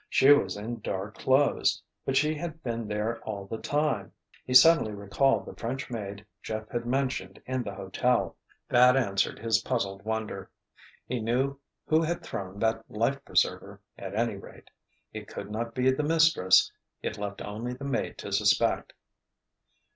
She was in dark clothes! But she had been there all the time. He suddenly recalled the French maid Jeff had mentioned in the hotel. That answered his puzzled wonder. He knew who had thrown that life preserver, at any rate. It could not be the mistress. It left only the maid to suspect.